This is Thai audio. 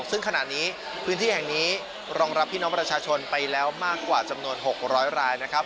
ซึ่งขณะนี้พื้นที่แห่งนี้รองรับพี่น้องประชาชนไปแล้วมากกว่าจำนวน๖๐๐รายนะครับ